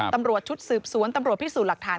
ตำรวจชุดสืบสวนตำรวจพิสูจน์หลักฐาน